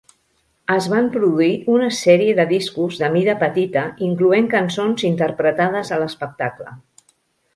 Es van produir una sèrie de discos de "mida petita", incloent cançons interpretades a l'espectacle.